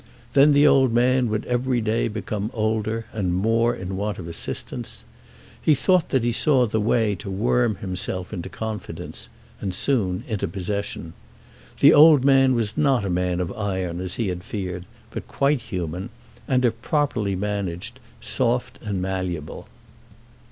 Then the old man would every day become older and more in want of assistance. He thought that he saw the way to worm himself into confidence, and, soon, into possession. The old man was not a man of iron as he had feared, but quite human, and if properly managed, soft and malleable.